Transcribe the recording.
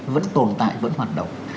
vẫn tồn tại vẫn hoạt động